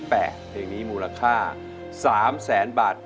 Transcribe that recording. แต่เพลงนี้มูลค่า๓แสนบาท